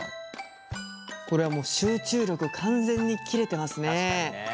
これはもう集中力完全に切れてますねえ。